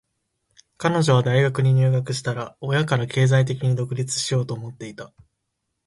彼女は大学に入学したら、親から経済的に独立しようと思っていた。